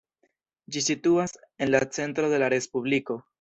Ĝi situas en la centro de la respubliko.